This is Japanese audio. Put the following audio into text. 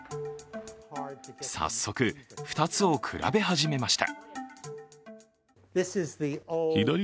早速、２つを比べ始めました。